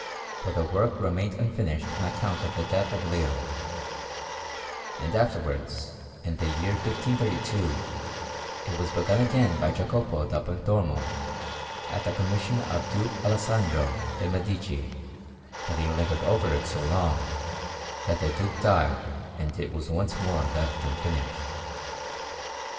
But the work remained unfinished on account of the death of Leo; and afterwards, in the year 1532, it was begun again by Jacopo da Pontormo at the commission of Duke Alessandro de' Medici, but he lingered over it so long, that the Duke died and it was once more left unfinished.